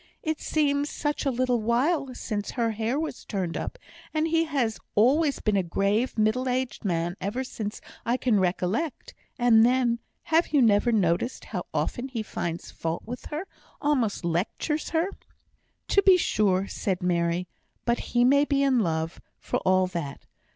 It seems such a little while since her hair was turned up, and he has always been a grave middle aged man ever since I can recollect; and then, have you never noticed how often he finds fault with her almost lectures her?" "To be sure," said Mary; "but he may be in love, for all that.